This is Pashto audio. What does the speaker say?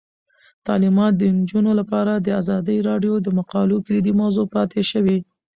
تعلیمات د نجونو لپاره د ازادي راډیو د مقالو کلیدي موضوع پاتې شوی.